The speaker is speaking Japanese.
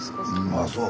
ああそう？